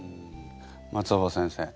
松尾葉先生。